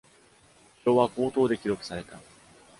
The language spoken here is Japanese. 票は、口頭で記録された。